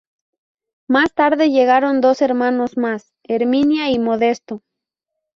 Más tarde llegaron dos hermanos más: Herminia y Modesto.